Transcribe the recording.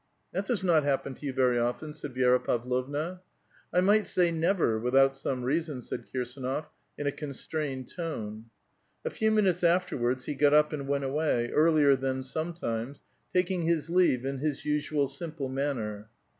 " That does not happen to you very often," said Vi^ra Pavlovna. '' I might sa}', never, without some reason," said KirsAnof, in a constrained tone. A few minutes aftei'wards he got up and went away, ear lier than some times, taking his leave in his usual simple manner.